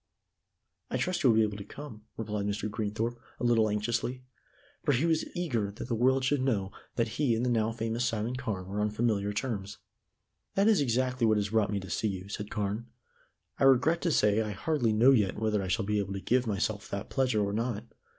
"I trust you will be able to come," replied Mr. Greenthorpe a little anxiously, for he was eager that the world should know that he and the now famous Simon Carne were on familiar terms. "That is exactly what has brought me to see you," said Carne. "I regret to say I hardly know yet whether I shall be able to give myself that pleasure or not.